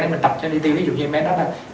để mình tập cho em đi thiêu ví dụ như em bé đó là